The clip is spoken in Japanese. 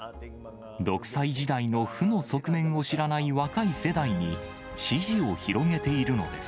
独裁時代の負の側面を知らない若い世代に、支持を広げているので